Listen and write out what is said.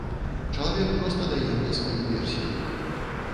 Чалавек проста дае мне сваю версію.